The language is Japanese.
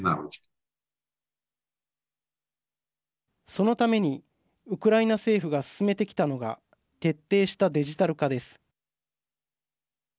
そのためにウクライナ政府が進めてきたのが徹底したデジタル化です。